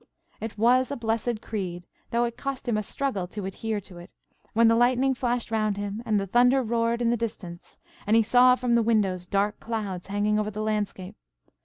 It was a blessed creed! though it cost him a struggle to adhere to it, when the lightning flashed round him, and the thunder roared in the distance, and he saw from the windows dark clouds hanging over the landscape.